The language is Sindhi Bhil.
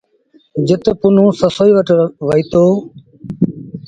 جت پنهون سسئيٚ وٽ رهيٚتو۔